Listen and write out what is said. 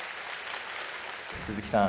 鈴木さん